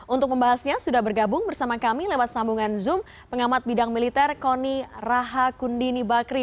untuk membahasnya sudah bergabung bersama kami lewat sambungan zoom pengamat bidang militer kony raha kundini bakri